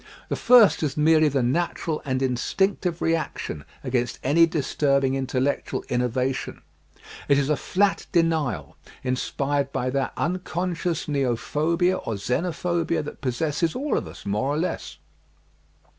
The first is merely the natural and instinctive re action against any disturbing intellectual innovation. It is a flat denial inspired by that unconscious neopho bia or xenophobia that possesses all of us more or less.